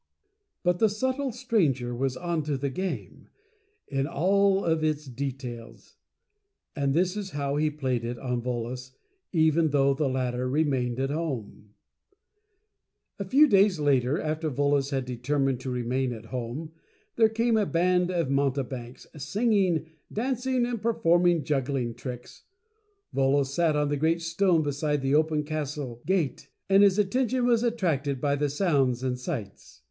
But the Subtle Stranger was Onto the Game, in all of its Details. And this is how he Played it on Volos, even though the latter Remained at Home. HOW VOLOS MADE A MISTAKE. A few days after Volos had determined to Remain at Home, there came a band of mountebanks, singing, dancing, and performing juggling tricks. Volos sat on the great stone beside the open Castle Gate, and his Attention was attracted by the sounds and sights.